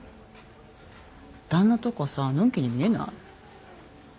旦那とかさのんきに見えない？